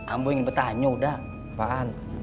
ambo ingin bertanya udah